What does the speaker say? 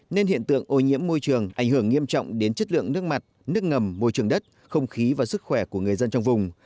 nên hiện tượng ô nhiễm môi trường ảnh hưởng nghiêm trọng đến chất lượng nước mặt nước ngầm môi trường đất không khí và sức khỏe của người dân trong vùng